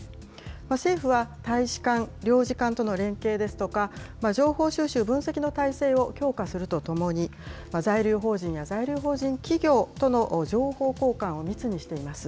政府は大使館、領事官との連携ですとか、情報収集、分析の体制を強化するとともに、在留邦人や在留邦人企業との情報交換を密にしています。